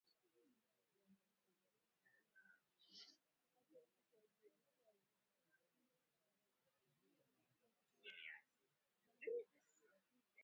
Pia tulizungumzia suala la kupotea kwa kulazimishwa, mauaji holela, suala la kile kinachojulikana kama “nyumba salama”.